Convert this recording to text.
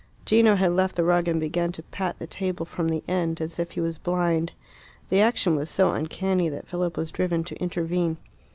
Gino had left the rug, and began to pat the table from the end, as if he was blind. The action was so uncanny that Philip was driven to intervene.